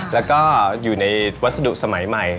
แล้วก็อยู่ในวัสดุสมัยใหม่